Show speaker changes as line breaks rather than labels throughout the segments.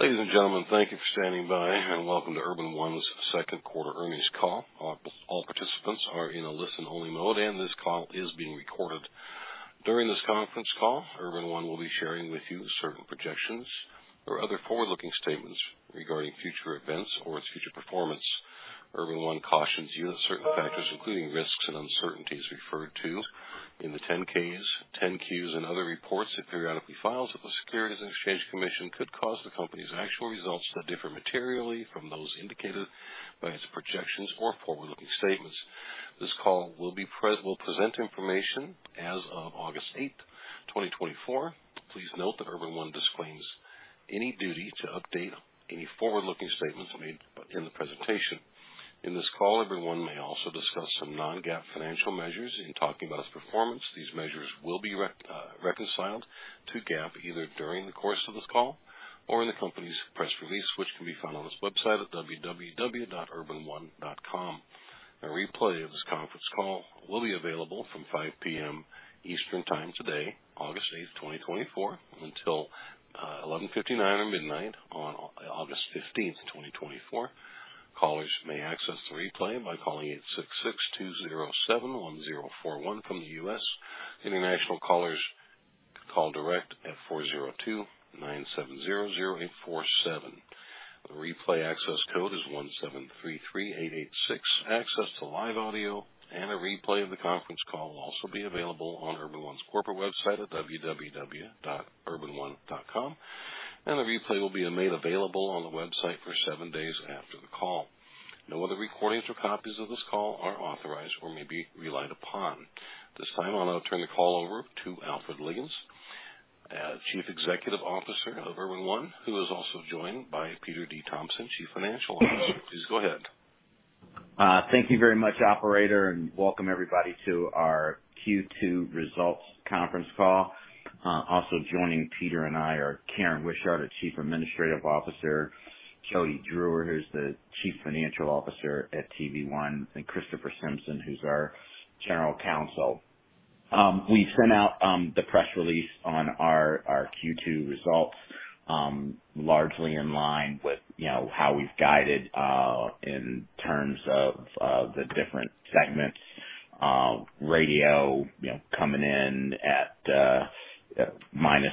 Ladies and gentlemen, thank you for standing by and welcome to Urban One's second quarter earnings call. All participants are in a listen-only mode, and this call is being recorded. During this conference call, Urban One will be sharing with you certain projections or other forward-looking statements regarding future events or its future performance. Urban One cautions you that certain factors, including risks and uncertainties, referred to in the 10-Ks, 10-Qs, and other reports it periodically files with the Securities and Exchange Commission, could cause the company's actual results to differ materially from those indicated by its projections or forward-looking statements. This call will present information as of August 8th, 2024. Please note that Urban One disclaims any duty to update any forward-looking statements made in the presentation. In this call, Urban One may also discuss some non-GAAP financial measures in talking about its performance. These measures will be reconciled to GAAP either during the course of this call or in the company's press release, which can be found on its website at www.urbanone.com. A replay of this conference call will be available from 5:00 P.M. Eastern Time today, August 8th, 2024, until 11:59 or midnight on August 15th, 2024. Callers may access the replay by calling 866-207-1041 from the U.S. International callers can call direct at 402-970-0847. The replay access code is 1733886. Access to live audio and a replay of the conference call will also be available on Urban One's corporate website at www.urbanone.com, and the replay will be made available on the website for seven days after the call. No other recordings or copies of this call are authorized or may be relied upon. At this time, I'll now turn the call over to Alfred Liggins, Chief Executive Officer of Urban One, who is also joined by Peter D. Thompson, Chief Financial Officer. Please go ahead.
Thank you very much, Operator, and welcome everybody to our Q2 results conference call. Also joining Peter and I are Karen Wishart, Chief Administrative Officer; Jody Drewer, who's the Chief Financial Officer at TV One; and Kristopher Simpson, who's our General Counsel. We sent out the press release on our Q2 results largely in line with how we've guided in terms of the different segments: radio coming in at -3%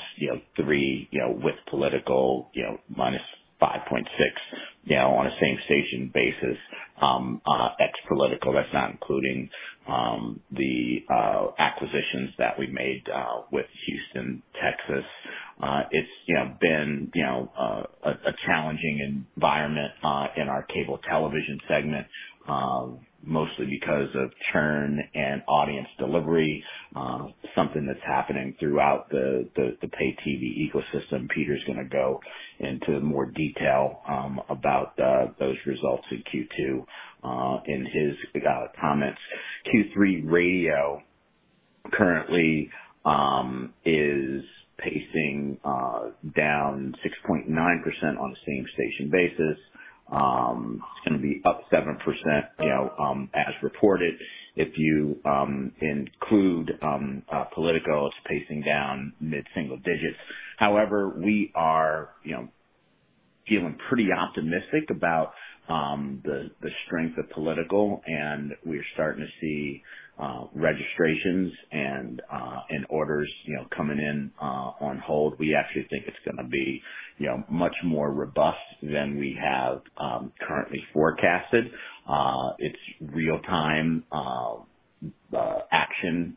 with political, -5.6% on a same-station basis, ex-political. That's not including the acquisitions that we made with Houston, Texas. It's been a challenging environment in our cable television segment, mostly because of churn and audience delivery, something that's happening throughout the pay-TV ecosystem. Peter's going to go into more detail about those results in Q2 in his comments. Q3 radio currently is pacing down 6.9% on a same-station basis. It's going to be up 7% as reported. If you include political, it's pacing down mid-single digits. However, we are feeling pretty optimistic about the strength of political, and we're starting to see registrations and orders coming in on hold. We actually think it's going to be much more robust than we have currently forecasted. It's real-time action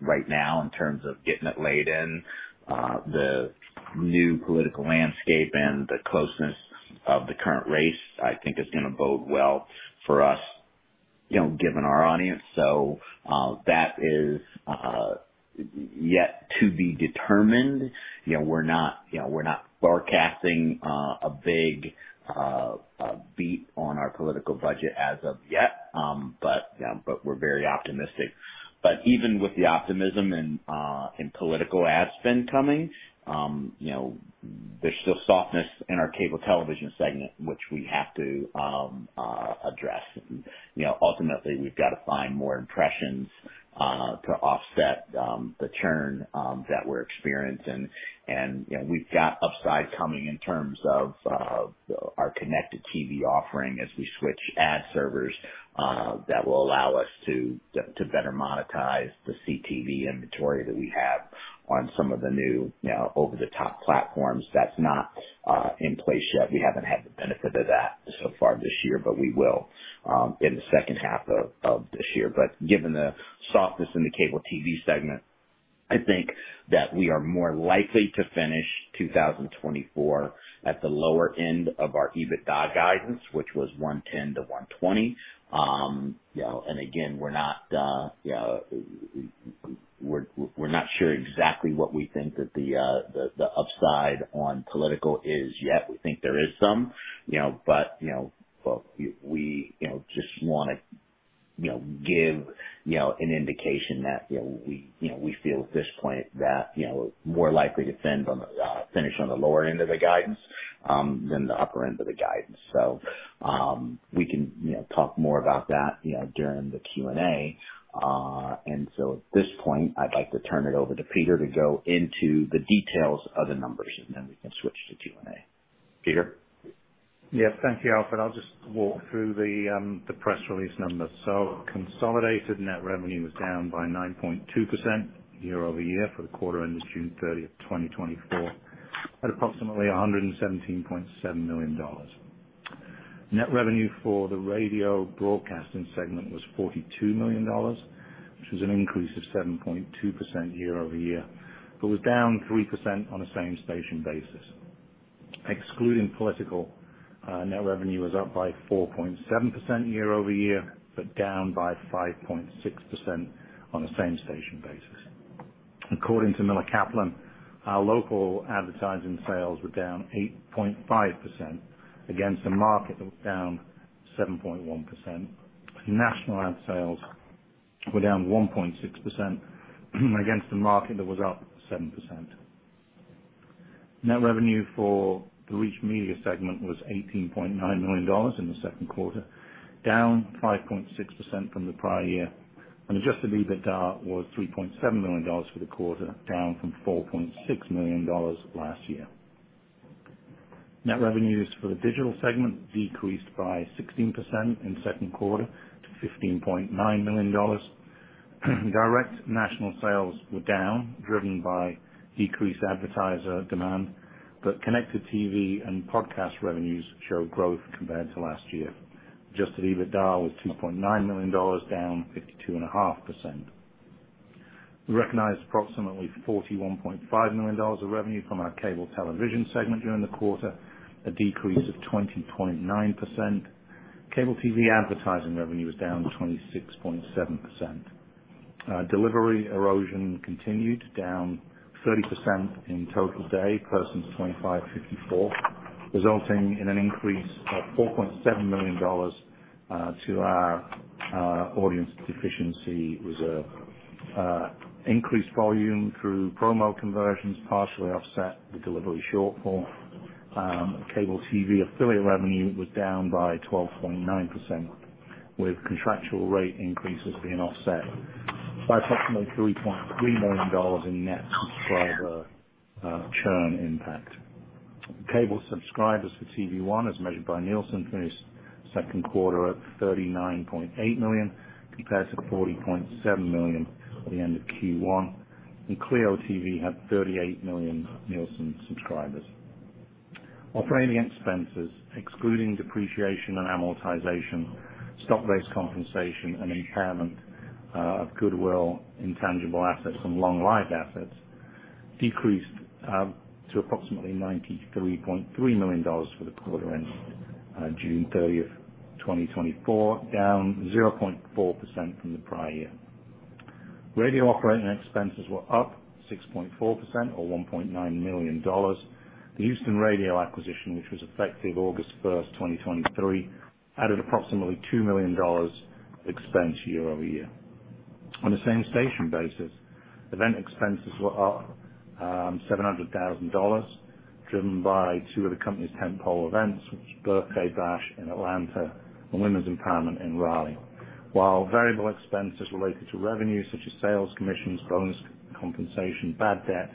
right now in terms of getting it laid in. The new political landscape and the closeness of the current race, I think, is going to bode well for us, given our audience. So that is yet to be determined. We're not forecasting a big beat on our political budget as of yet, but we're very optimistic. But even with the optimism and political ads been coming, there's still softness in our cable television segment, which we have to address. Ultimately, we've got to find more impressions to offset the churn that we're experiencing. We've got upside coming in terms of our connected TV offering as we switch ad servers that will allow us to better monetize the CTV inventory that we have on some of the new over-the-top platforms. That's not in place yet. We haven't had the benefit of that so far this year, but we will in the second half of this year. But given the softness in the cable TV segment, I think that we are more likely to finish 2024 at the lower end of our EBITDA guidance, which was $110 million-$120 million. And again, we're not sure exactly what we think that the upside on political is yet. We think there is some, but we just want to give an indication that we feel at this point that we're more likely to finish on the lower end of the guidance than the upper end of the guidance. So we can talk more about that during the Q&A. So at this point, I'd like to turn it over to Peter to go into the details of the numbers, and then we can switch to Q&A. Peter.
Yes, thank you, Alfred. I'll just walk through the press release numbers. So consolidated net revenue was down by 9.2% year-over-year for the quarter end of June 30th, 2024, at approximately $117.7 million. Net revenue for the radio broadcasting segment was $42 million, which was an increase of 7.2% year-over-year, but was down 3% on a same-station basis. Excluding political, net revenue was up by 4.7% year-over-year, but down by 5.6% on a same-station basis. According to Miller Kaplan, our local advertising sales were down 8.5% against a market that was down 7.1%. National ad sales were down 1.6% against a market that was up 7%. Net revenue for the Reach Media segment was $18.9 million in the second quarter, down 5.6% from the prior year. Adjusted EBITDA was $3.7 million for the quarter, down from $4.6 million last year. Net revenues for the digital segment decreased by 16% in second quarter to $15.9 million. Direct national sales were down, driven by decreased advertiser demand, but connected TV and podcast revenues showed growth compared to last year. Adjusted EBITDA was $2.9 million, down 52.5%. We recognized approximately $41.5 million of revenue from our cable television segment during the quarter, a decrease of 20.9%. Cable TV advertising revenue was down 26.7%. Delivery erosion continued, down 30% in total day, Persons 25-54, resulting in an increase of $4.7 million to our audience deficiency reserve. Increased volume through promo conversions partially offset the delivery shortfall. Cable TV affiliate revenue was down by 12.9%, with contractual rate increases being offset by approximately $3.3 million in net subscriber churn impact. Cable subscribers for TV One as measured by Nielsen finished second quarter at 39.8 million compared to 40.7 million at the end of Q1. CLEO TV had 38 million Nielsen subscribers. Operating expenses, excluding depreciation and amortization, stock-based compensation, and impairment of goodwill, intangible assets, and long-life assets, decreased to approximately $93.3 million for the quarter end June 30th, 2024, down 0.4% from the prior year. Radio operating expenses were up 6.4%, or $1.9 million. The Houston radio acquisition, which was effective August 1st, 2023, added approximately $2 million expense year over year. On a same-station basis, event expenses were up $700,000, driven by two of the company's tentpole events, which were Birthday Bash in Atlanta and Women's Empowerment in Raleigh. While variable expenses related to revenue, such as sales, commissions, bonus compensation, bad debt,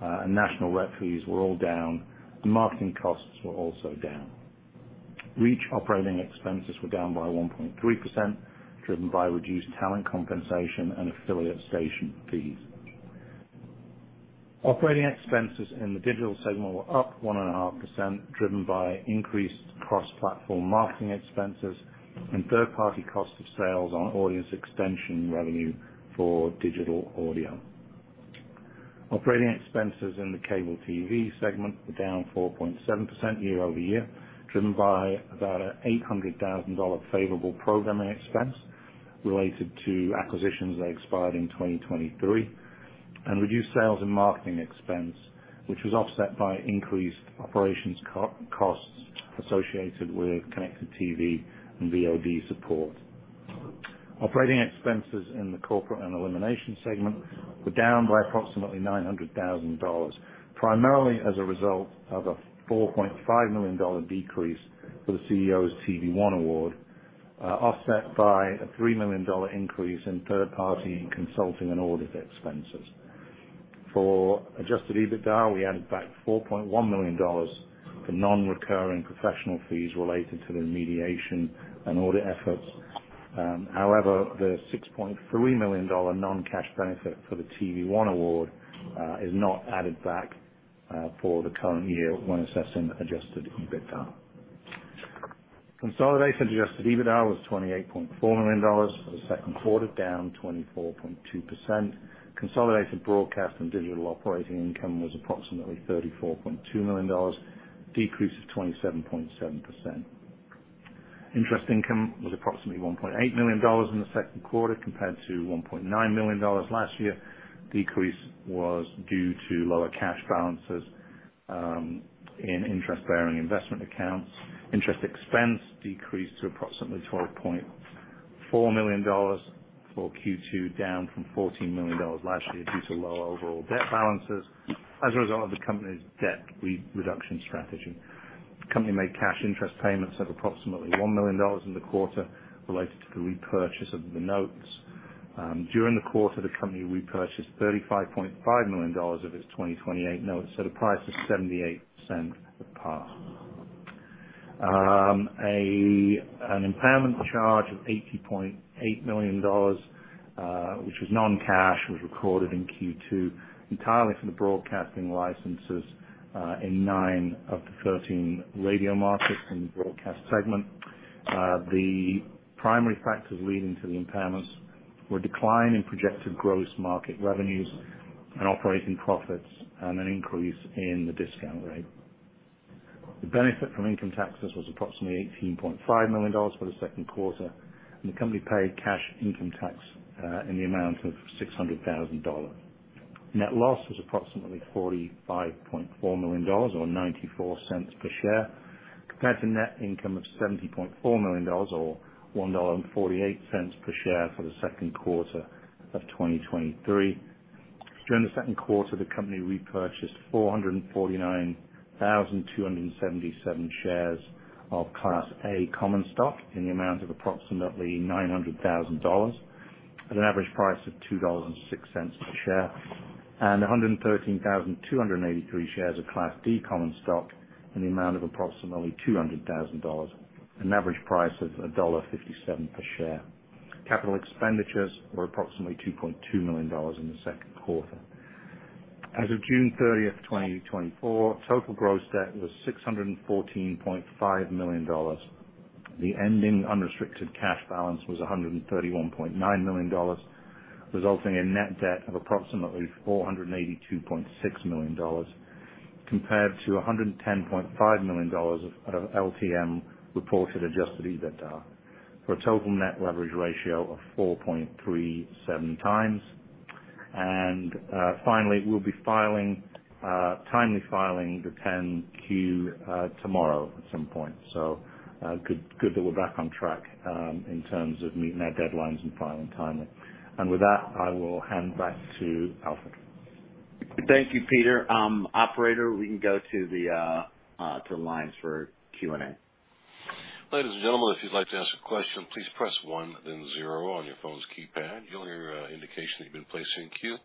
and national rep fees, were all down, the marketing costs were also down. Reach operating expenses were down by 1.3%, driven by reduced talent compensation and affiliate station fees. Operating expenses in the digital segment were up 1.5%, driven by increased cross-platform marketing expenses and third-party cost of sales on audience extension revenue for digital audio. Operating expenses in the cable TV segment were down 4.7% year-over-year, driven by about a $800,000 favorable programming expense related to acquisitions that expired in 2023, and reduced sales and marketing expense, which was offset by increased operations costs associated with Connected TV and VOD support. Operating expenses in the corporate and elimination segment were down by approximately $900,000, primarily as a result of a $4.5 million decrease for the CEO's TV One Award, offset by a $3 million increase in third-party consulting and audit expenses. For adjusted EBITDA, we added back $4.1 million for non-recurring professional fees related to the remediation and audit efforts. However, the $6.3 million non-cash benefit for the TV One Award is not added back for the current year when assessing adjusted EBITDA. Consolidated adjusted EBITDA was $28.4 million for the second quarter, down 24.2%. Consolidated broadcast and digital operating income was approximately $34.2 million, decreased to 27.7%. Interest income was approximately $1.8 million in the second quarter compared to $1.9 million last year. Decrease was due to lower cash balances in interest-bearing investment accounts. Interest expense decreased to approximately $12.4 million for Q2, down from $14 million last year due to lower overall debt balances as a result of the company's debt reduction strategy. The company made cash interest payments of approximately $1 million in the quarter related to the repurchase of the notes. During the quarter, the company repurchased $35.5 million of its 2028 notes at a price of 78% of par. An impairment charge of $80.8 million, which was non-cash, was recorded in Q2 entirely for the broadcasting licenses in 9 of the 13 radio markets in the broadcast segment. The primary factors leading to the impairments were a decline in projected gross market revenues and operating profits, and an increase in the discount rate. The benefit from income taxes was approximately $18.5 million for the second quarter, and the company paid cash income tax in the amount of $600,000. Net loss was approximately $45.4 million, or $0.94 per share, compared to net income of $70.4 million, or $1.48 per share for the second quarter of 2023. During the second quarter, the company repurchased 449,277 shares of Class A common stock in the amount of approximately $900,000 at an average price of $2.06 per share, and 113,283 shares of Class D common stock in the amount of approximately $200,000, an average price of $1.57 per share. Capital expenditures were approximately $2.2 million in the second quarter. As of June 30th, 2024, total gross debt was $614.5 million. The ending unrestricted cash balance was $131.9 million, resulting in net debt of approximately $482.6 million compared to $110.5 million of LTM reported adjusted EBITDA for a total net leverage ratio of 4.37 times. And finally, we'll be timely filing the 10-Q tomorrow at some point. So good that we're back on track in terms of meeting our deadlines and filing timely. And with that, I will hand back to Alfred.
Thank you, Peter. Operator, we can go to the lines for Q&A.
Ladies and gentlemen, if you'd like to ask a question, please press 1, then 0 on your phone's keypad. You'll hear an indication that you've been placed in queue.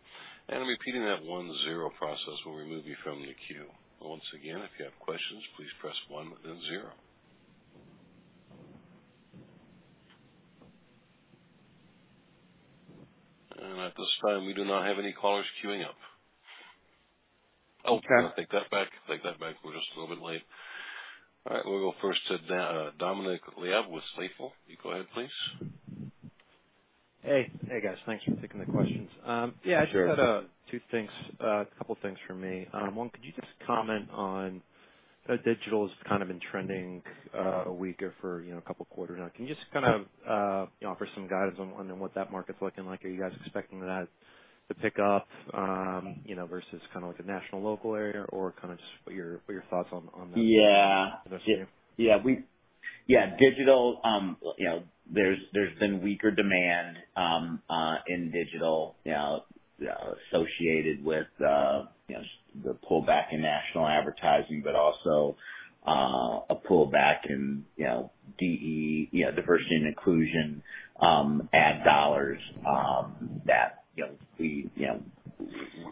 Repeating that 1-0 process will remove you from the queue. Once again, if you have questions, please press 1, then 0. At this time, we do not have any callers queuing up. Take that back. Take that back. We're just a little bit late. All right. We'll go first to Dominic Laib with Stifel. You go ahead, please.
Hey. Hey, guys. Thanks for taking the questions.
Sure.
Yeah, I just had a few things, a couple of things for me. One, could you just comment on digital has kind of been trending weak or for a couple of quarters now? Can you just kind of offer some guidance on what that market's looking like? Are you guys expecting that to pick up versus kind of like a national, local area, or kind of just what are your thoughts on that?
Yeah. Yeah. Yeah. Digital, there's been weaker demand in digital associated with the pullback in national advertising, but also a pullback in diversity and inclusion ad dollars that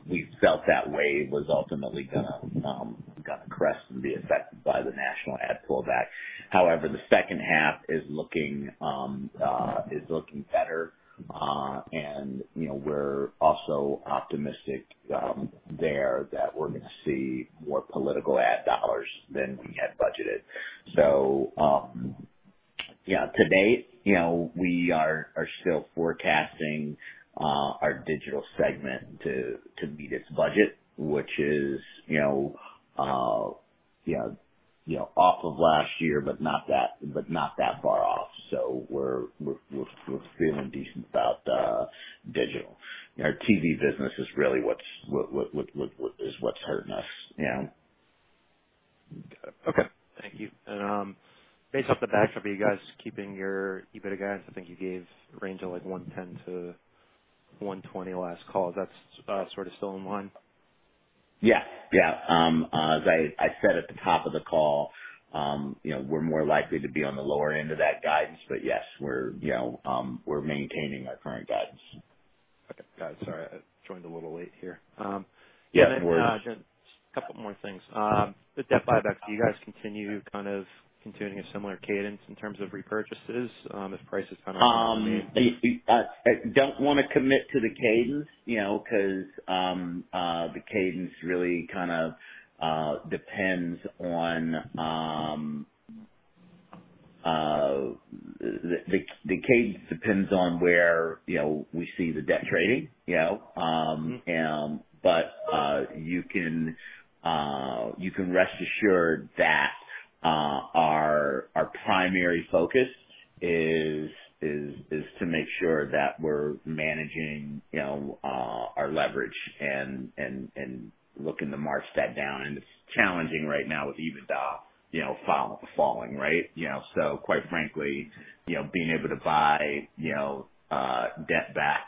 we felt that wave was ultimately going to crest and be affected by the national ad pullback. However, the second half is looking better, and we're also optimistic there that we're going to see more political ad dollars than we had budgeted. So to date, we are still forecasting our digital segment to meet its budget, which is off of last year, but not that far off. So we're feeling decent about digital. Our TV business is really what's hurting us.
Got it. Okay. Thank you. And based off the backup, are you guys keeping your EBITDA guidance? I think you gave a range of like $110-$120 last call. Is that sort of still in line?
Yeah. Yeah. As I said at the top of the call, we're more likely to be on the lower end of that guidance, but yes, we're maintaining our current guidance.
Okay. Got it. Sorry. I joined a little late here.
Yeah. No worries.
A couple more things. The debt buyback, do you guys continue kind of continuing a similar cadence in terms of repurchases if prices kind of remain?
I don't want to commit to the cadence because the cadence really kind of depends on where we see the debt trading. But you can rest assured that our primary focus is to make sure that we're managing our leverage and looking to march that down. And it's challenging right now with EBITDA falling, right? So quite frankly, being able to buy debt back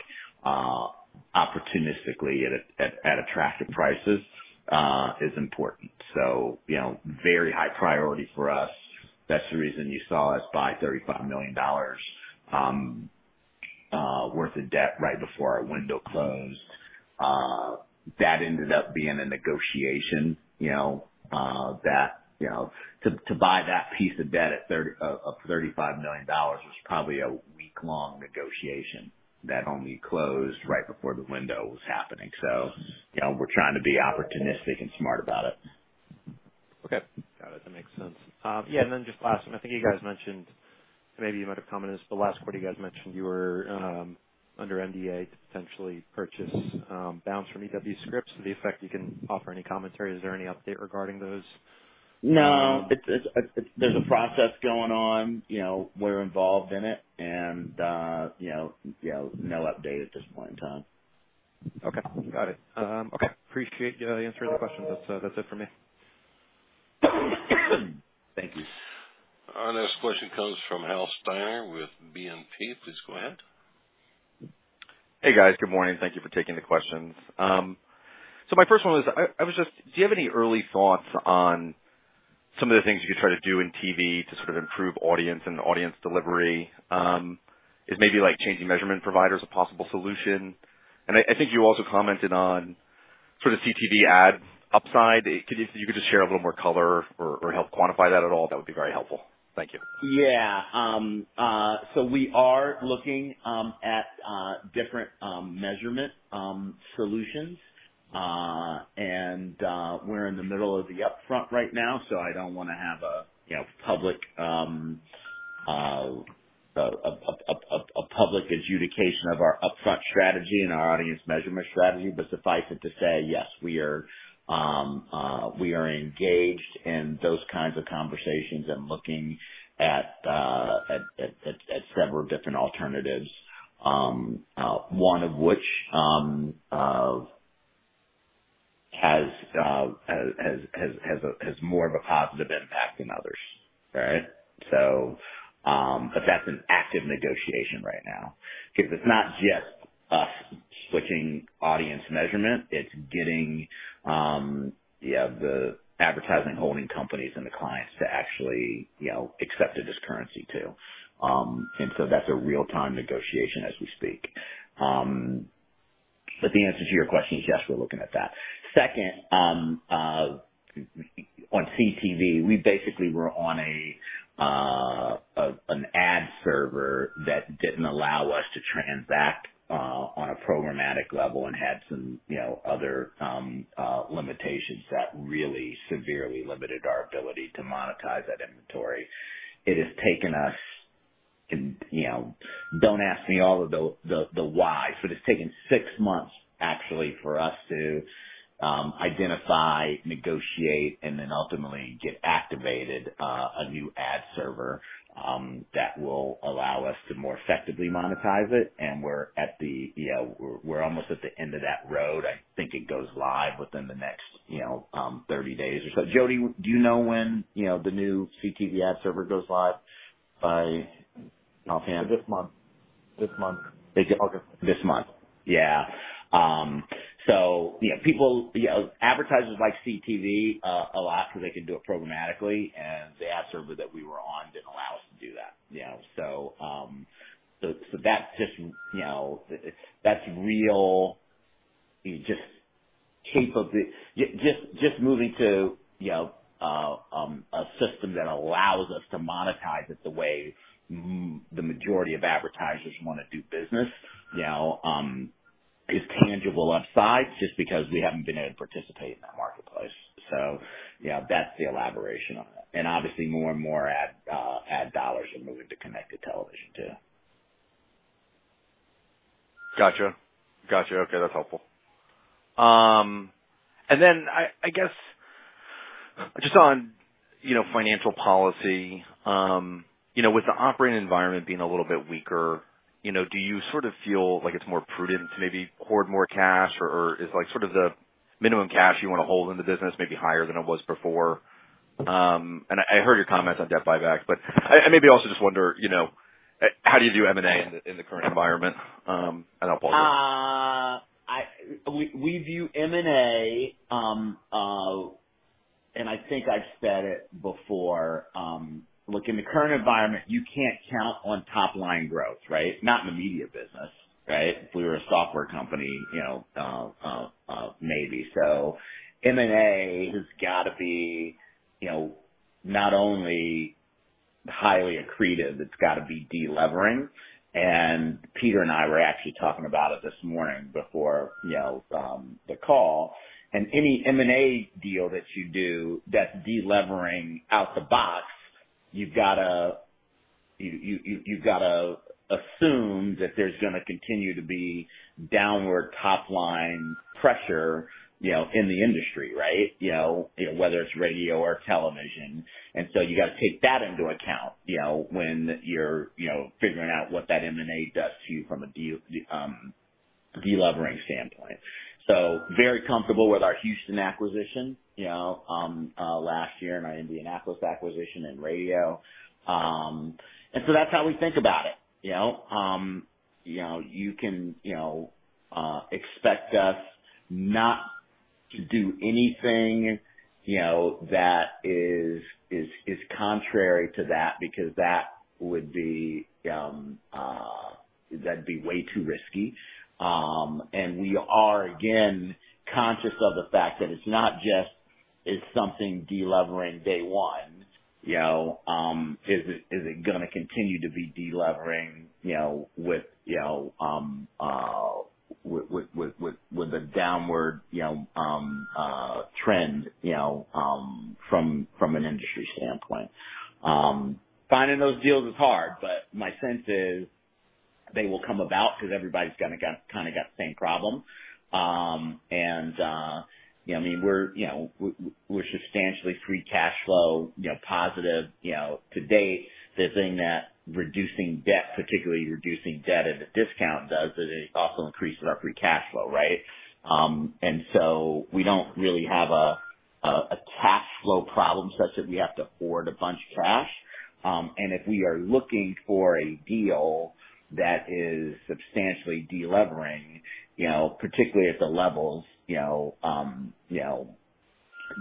opportunistically at attractive prices is important. So very high priority for us. That's the reason you saw us buy $35 million worth of debt right before our window closed. That ended up being a negotiation. To buy that piece of debt of $35 million was probably a week-long negotiation that only closed right before the window was happening. So we're trying to be opportunistic and smart about it.
Okay. Got it. That makes sense. Yeah. And then just last one. I think you guys mentioned maybe you might have commented this, but last quarter, you guys mentioned you were under NDA to potentially purchase Bounce from E.W. Scripps. To the extent you can offer any commentary. Is there any update regarding those?
No. There's a process going on. We're involved in it, and no update at this point in time.
Okay. Got it. Okay. Appreciate the answer to the questions. That's it for me.
Thank you.
Our next question comes from Hal Steiner with BNP. Please go ahead.
Hey, guys. Good morning. Thank you for taking the questions. So my first one was, I was just, do you have any early thoughts on some of the things you could try to do in TV to sort of improve audience and audience delivery? Is maybe changing measurement providers a possible solution? And I think you also commented on sort of CTV ad upside. If you could just share a little more color or help quantify that at all, that would be very helpful. Thank you.
Yeah. So we are looking at different measurement solutions, and we're in the middle of the upfront right now, so I don't want to have a public adjudication of our upfront strategy and our audience measurement strategy, but suffice it to say, yes, we are engaged in those kinds of conversations and looking at several different alternatives, one of which has more of a positive impact than others, right? But that's an active negotiation right now because it's not just us switching audience measurement. It's getting the advertising holding companies and the clients to actually accept it as currency too. And so that's a real-time negotiation as we speak. But the answer to your question is yes, we're looking at that. Second, on CTV, we basically were on an ad server that didn't allow us to transact on a programmatic level and had some other limitations that really severely limited our ability to monetize that inventory. It has taken us, don't ask me all of the why, but it's taken six months, actually, for us to identify, negotiate, and then ultimately get activated a new ad server that will allow us to more effectively monetize it. And we're almost at the end of that road. I think it goes live within the next 30 days or so. Jody, do you know when the new CTV ad server goes live offhand?
This month. This month.
This month. Yeah. So advertisers like CTV a lot because they can do it programmatically, and the ad server that we were on didn't allow us to do that. So that's just - that's real just moving to a system that allows us to monetize it the way the majority of advertisers want to do business is tangible upside just because we haven't been able to participate in that marketplace. So that's the elaboration on it. And obviously, more and more ad dollars are moving to connected television too.
Gotcha. Gotcha. Okay. That's helpful. And then, I guess, just on financial policy, with the operating environment being a little bit weaker, do you sort of feel like it's more prudent to maybe hoard more cash, or is sort of the minimum cash you want to hold in the business maybe higher than it was before? And I heard your comments on debt buyback, but I maybe also just wonder, how do you view M&A in the current environment? And I'll pause there.
We view M&A, and I think I've said it before. Look, in the current environment, you can't count on top-line growth, right? Not in the media business, right? If we were a software company, maybe. So M&A has got to be not only highly accretive, it's got to be delevering. And Peter and I were actually talking about it this morning before the call. And any M&A deal that you do that's delevering out the box, you've got to assume that there's going to continue to be downward top-line pressure in the industry, right? Whether it's radio or television. And so you got to take that into account when you're figuring out what that M&A does to you from a delevering standpoint. So very comfortable with our Houston acquisition last year and our Indianapolis acquisition and radio. And so that's how we think about it. You can expect us not to do anything that is contrary to that because that would be way too risky. And we are, again, conscious of the fact that it's not just is something deleveraging day one. Is it going to continue to be deleveraging with the downward trend from an industry standpoint? Finding those deals is hard, but my sense is they will come about because everybody's kind of got the same problem. And I mean, we're substantially free cash flow positive to date. The thing that reducing debt, particularly reducing debt at a discount, does is it also increases our free cash flow, right? And so we don't really have a cash flow problem such that we have to hoard a bunch of cash. And if we are looking for a deal that is substantially delevering, particularly at the levels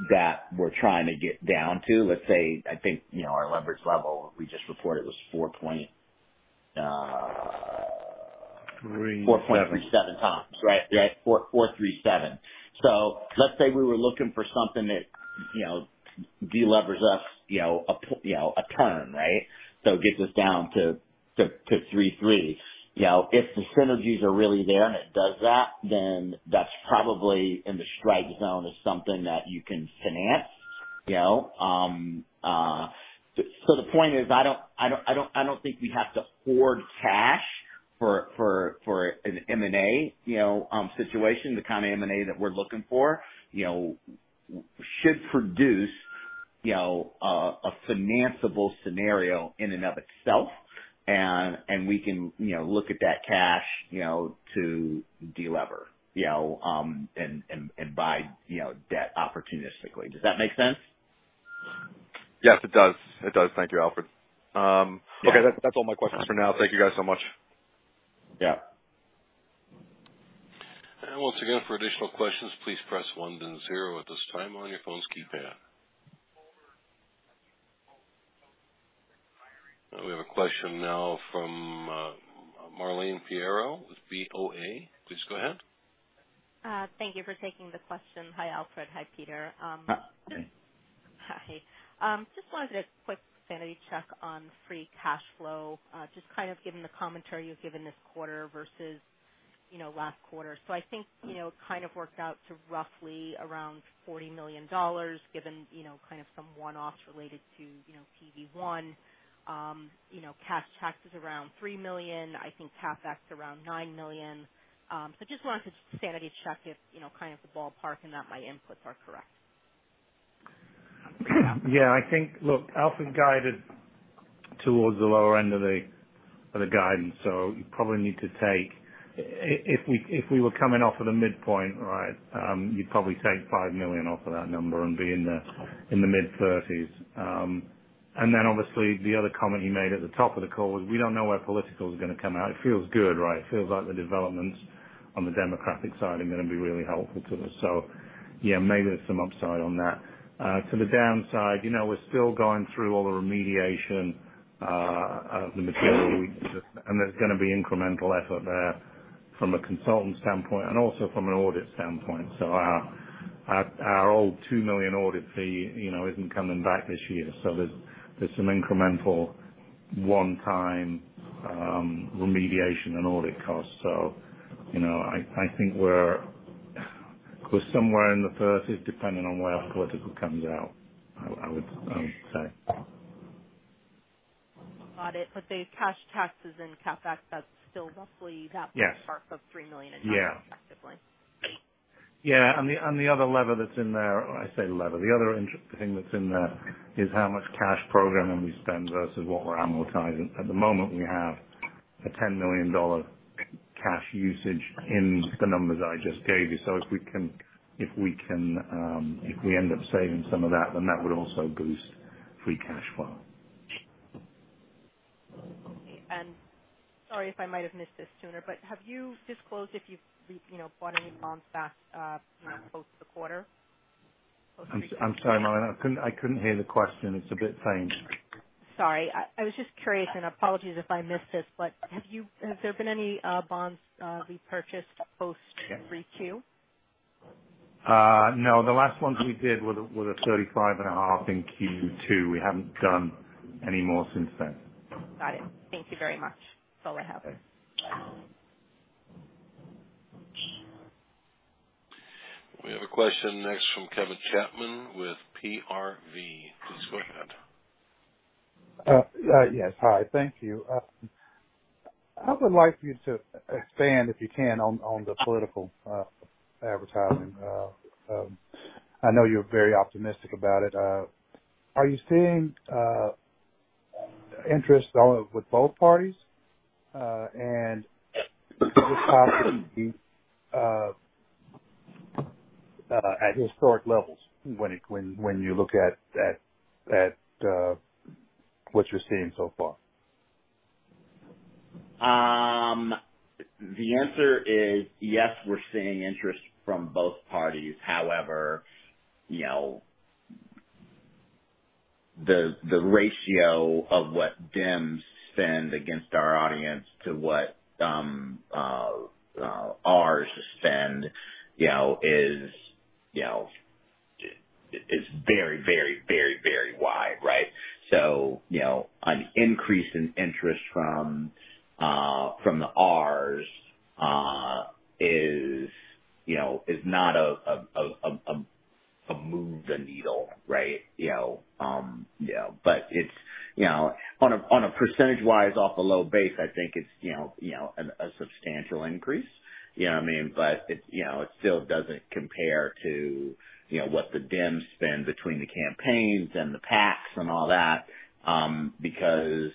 that we're trying to get down to, let's say, I think our leverage level we just reported was 4.37x, right? 4.37. So let's say we were looking for something that delevers us a turn, right? So it gets us down to 3.3. If the synergies are really there and it does that, then that's probably in the strike zone of something that you can finance. So the point is, I don't think we have to hoard cash for an M&A situation. The kind of M&A that we're looking for should produce a financeable scenario in and of itself, and we can look at that cash to delever and buy debt opportunistically. Does that make sense?
Yes, it does. It does. Thank you, Alfred. Okay. That's all my questions for now. Thank you guys so much.
Yeah.
And once again, for additional questions, please press 1, then 0 at this time on your phone's keypad. We have a question now from Marlene Pereira, with BofA. Please go ahead.
Thank you for taking the question. Hi, Alfred. Hi, Peter.
Hi.
Hi. Just wanted a quick sanity check on free cash flow, just kind of given the commentary you've given this quarter versus last quarter. So I think it kind of worked out to roughly around $40 million, given kind of some one-offs related to TV One. Cash tax is around $3 million. I think CapEx is around $9 million. So just wanted to sanity check if kind of the ballpark and that my inputs are correct?
Yeah. I think, look, Alfred guided towards the lower end of the guidance, so you probably need to take if we were coming off of the midpoint, right, you'd probably take $5 million off of that number and be in the mid-30s. And then obviously, the other comment you made at the top of the call was, "We don't know where political is going to come out." It feels good, right? It feels like the developments on the Democratic side are going to be really helpful to us. So yeah, maybe there's some upside on that. To the downside, we're still going through all the remediation of the material we need, and there's going to be incremental effort there from a consultant standpoint and also from an audit standpoint. So our old $2 million audit fee isn't coming back this year, so there's some incremental one-time remediation and audit costs. So I think we're somewhere in the 30s, depending on where our political comes out, I would say.
Got it. But the cash taxes and CapEx, that's still roughly that much spark of $3 million in terms of effectively.
Yeah. And the other lever that's in there—I say lever. The other thing that's in there is how much cash programming we spend versus what we're amortizing. At the moment, we have a $10 million cash usage in the numbers I just gave you. So if we can—if we end up saving some of that, then that would also boost free cash flow.
Sorry if I might have missed this sooner, but have you disclosed if you've bought any bonds back post the quarter?
I'm sorry, Marlene. I couldn't hear the question. It's a bit faint.
Sorry. I was just curious and apologies if I missed this, but has there been any bonds repurchased post Q2?
No. The last ones we did were the 35.5 in Q2. We haven't done any more since then.
Got it. Thank you very much. That's all I have.
We have a question next from Kevin Chapman with PVR. Please go ahead.
Yes. Hi. Thank you. I would like for you to expand, if you can, on the political advertising. I know you're very optimistic about it. Are you seeing interest with both parties? And is this possibly at historic levels when you look at what you're seeing so far?
The answer is yes, we're seeing interest from both parties. However, the ratio of what Dems spend against our audience to what Rs spend is very, very, very, very wide, right? So an increase in interest from the Rs is not a move the needle, right? But on a percentage-wise off a low base, I think it's a substantial increase. You know what I mean? But it still doesn't compare to what the Dems spend between the campaigns and the PACs and all that because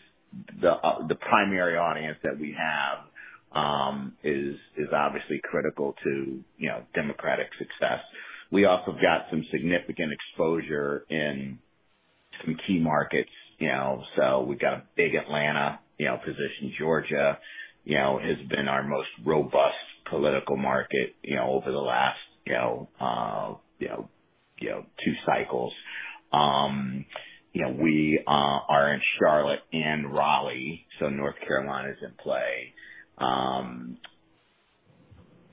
the primary audience that we have is obviously critical to Democratic success. We also have got some significant exposure in some key markets. So we've got a big Atlanta position. Georgia has been our most robust political market over the last two cycles. We are in Charlotte and Raleigh, so North Carolina is in play.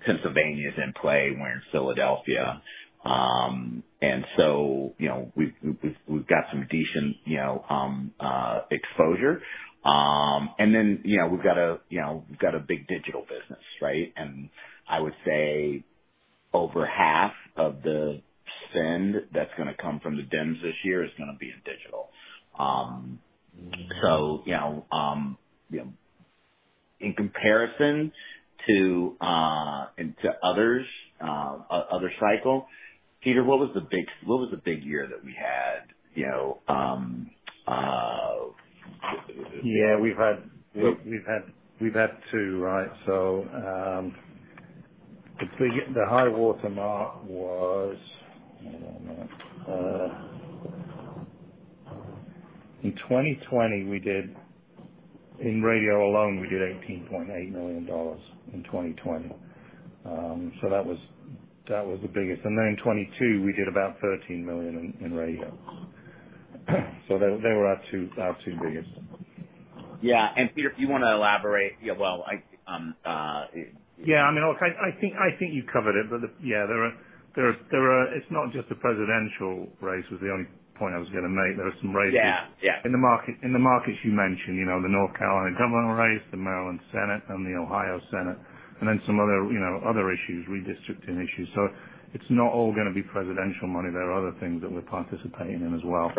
Pennsylvania is in play. We're in Philadelphia. And so we've got some decent exposure. And then we've got a big digital business, right? And I would say over half of the spend that's going to come from the Dems this year is going to be in digital. So in comparison to others' other cycle, Peter, what was the big year that we had?
Yeah. We've had two, right? So the high watermark was in 2020, we did in radio alone, we did $18.8 million in 2020. So that was the biggest. And then in 2022, we did about $13 million in radio. So they were our two biggest.
Yeah. And Peter, if you want to elaborate well, I.
Yeah. I mean, look, I think you covered it, but yeah, it's not just the presidential race was the only point I was going to make. There were some races in the markets you mentioned, the North Carolina Governor race, the Maryland Senate, and the Ohio Senate, and then some other issues, redistricting issues. So it's not all going to be presidential money. There are other things that we're participating in as well.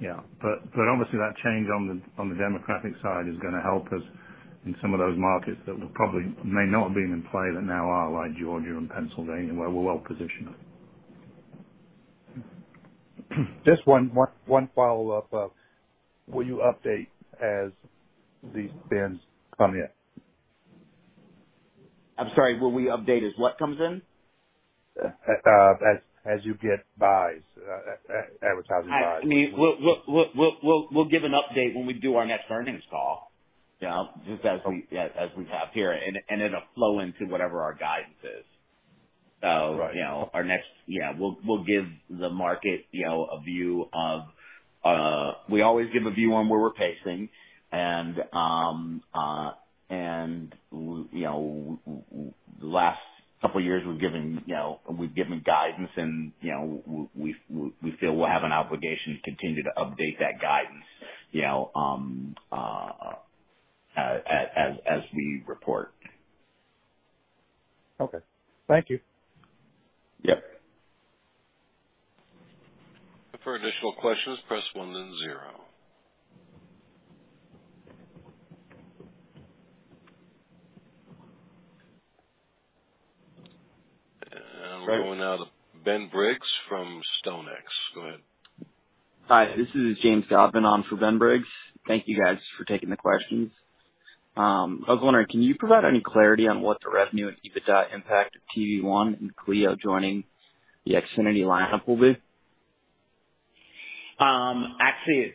Yeah. But obviously, that change on the Democratic side is going to help us in some of those markets that probably may not have been in play that now are, like Georgia and Pennsylvania, where we're well positioned.
Just one follow-up. Will you update as these bids come in?
I'm sorry. Will we update as what comes in?
As you get advertising buys.
I mean, look, we'll give an update when we do our next earnings call, just as we have here, and it'll flow into whatever our guidance is. So our next, we'll give the market a view of we always give a view on where we're pacing. And the last couple of years, we've given guidance, and we feel we'll have an obligation to continue to update that guidance as we report.
Okay. Thank you.
Yep. For additional questions, press one then zero. We're going now to Ben Briggs from StoneX. Go ahead.
Hi. This is James Barton on for Ben Briggs. Thank you guys for taking the questions. I was wondering, can you provide any clarity on what the revenue and EBITDA impact of TV1 and CLEO TV joining the Xfinity lineup will be?
Actually,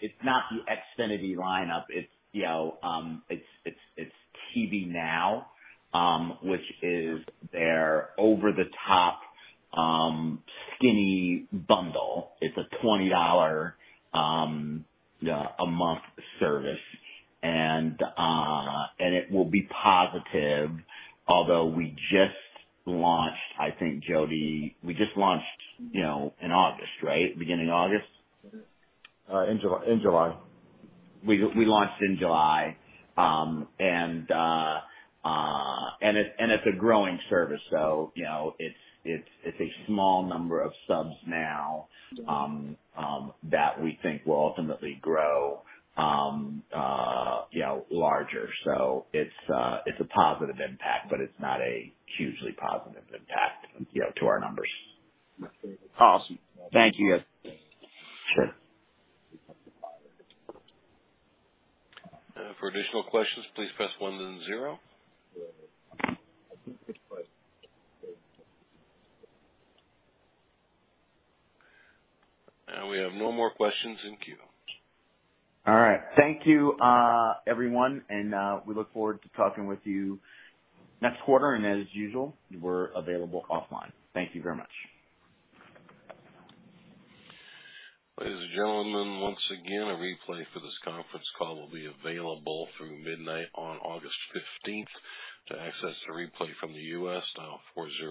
it's not the Xfinity lineup. It's NOW TV, which is their over-the-top skinny bundle. It's a $20 a month service, and it will be positive, although we just launched, I think, Jody. We just launched in August, right? Beginning of August?
In July.
We launched in July. It's a growing service, so it's a small number of subs now that we think will ultimately grow larger. It's a positive impact, but it's not a hugely positive impact to our numbers.
Awesome.
Thank you. Yes.
Sure.
For additional questions, please press one then zero. We have no more questions in queue.
All right. Thank you, everyone. We look forward to talking with you next quarter. As usual, we're available offline. Thank you very much.
Ladies and gentlemen, once again, a replay for this conference call will be available through midnight on August 15th. To access the replay from the U.S., dial 400.